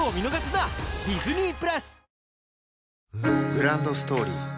グランドストーリー